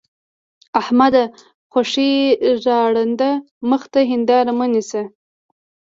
احمده! خوشې د ړانده مخ ته هېنداره مه نيسه.